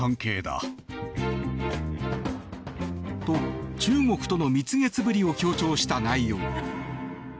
と、中国との蜜月ぶりを強調した内容。